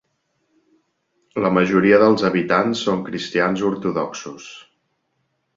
La majoria dels habitants són cristians ortodoxos.